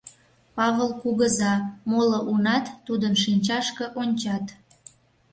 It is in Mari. — Павыл кугыза, моло унат тудын шинчашке ончат.